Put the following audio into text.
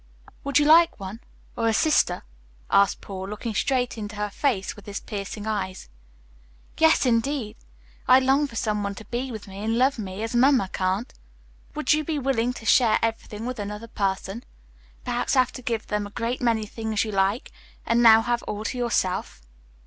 "Would you like one, or a sister?" asked Paul, looking straight into her face with his piercing eyes. "Yes, indeed! I long for someone to be with me and love me, as Mamma can't." "Would you be willing to share everything with another person perhaps have to give them a great many things you like and now have all to yourself?"